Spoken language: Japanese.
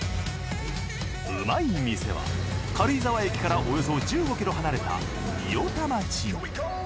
うまい店は軽井沢駅からおよそ１５キロ離れた御代田町に。